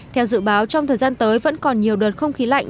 theo dự báo trong thời gian tới vẫn còn nhiều đợt không khí lạnh